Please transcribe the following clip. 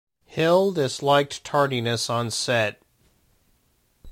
Hill disliked tardiness on set.